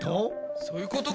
そういうことか！